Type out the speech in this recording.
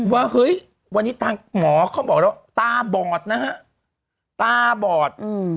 ว่าเฮ้ยวันนี้ทางหมอเขาบอกแล้วตาบอดนะฮะตาบอด